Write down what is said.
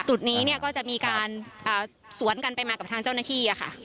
จุดนี้เนี่ยก็จะมีการสวนกันไปมากับทางเจ้าหน้าที่ค่ะ